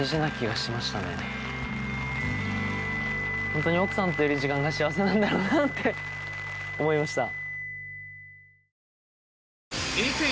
本当に奥さんといる時間が幸せなんだろうなって思いました。